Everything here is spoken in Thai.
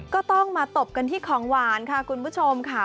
ก็ต้องมาตบกันที่ของหวานค่ะคุณผู้ชมค่ะ